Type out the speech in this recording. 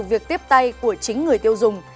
việc tiếp tay của chính người tiêu dùng